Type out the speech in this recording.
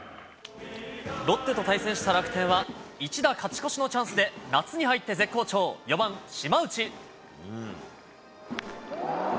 ロッテと対戦した楽天は１打勝ち越しのチャンスで夏に入って絶好調、４番島内。